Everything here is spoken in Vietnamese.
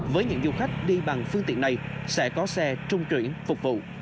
với những du khách đi bằng phương tiện này sẽ có xe trung chuyển phục vụ